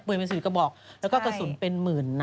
ปืนเป็น๔กระบอกแล้วก็กระสุนเป็นหมื่นนัด